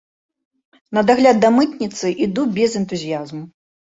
На дагляд да мытніцы іду без энтузіязму.